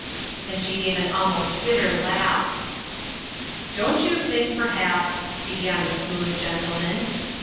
and she gave an almost bitter laugh. "Don't you think perhaps ?" began the Smooth Gentleman.